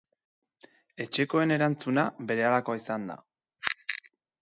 Etxekoen erantzuna berehalakoa izan da.